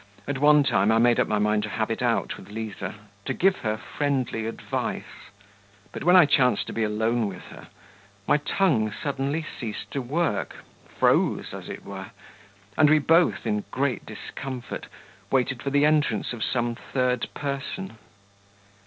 At one time I made up my mind to have it out with Liza, to give her friendly advice ... but when I chanced to be alone with her, my tongue suddenly ceased to work, froze as it were, and we both, in great discomfort, waited for the entrance of some third person.